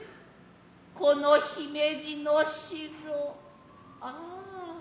此の姫路の城ああ